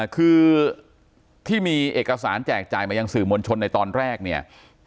คือที่มีเอกสารแจกจ่ายมายังสื่อมวลชนในตอนแรกเนี่ย